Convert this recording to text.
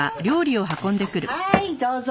はいどうぞ！